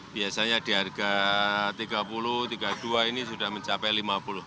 biasanya di harga rp tiga puluh rp tiga puluh dua ini sudah mencapai rp lima puluh